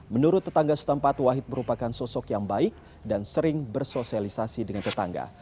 menurut tetangga setempat wahid merupakan sosok yang baik dan sering bersosialisasi dengan tetangga